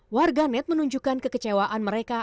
warga net menunjukkan kekecewaan mereka